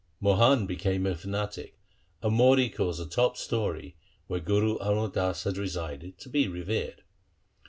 Mohan became a fanatic, and Mohri caused' the top story, where Guru Amar Das had resided, to be revered.